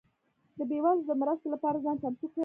ده بيوزلو ده مرستي لپاره ځان چمتو کړئ